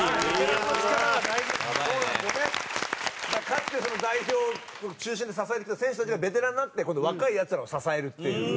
かつてその代表を中心で支えてきた選手たちがベテランになって今度若いヤツらを支えるっていう。